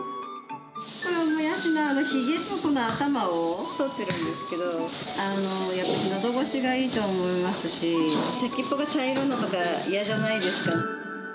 このもやしのひげとか頭を取ってるんですけど、やっぱりのどごしがいいと思いますし、先っぽが茶色のとか、嫌じゃないですか。